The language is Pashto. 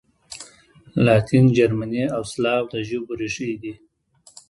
لاتین، جرمني او سلاو د ژبو ریښې دي.